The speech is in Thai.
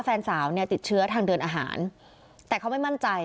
แฟนสาวเนี่ยติดเชื้อทางเดินอาหารแต่เขาไม่มั่นใจ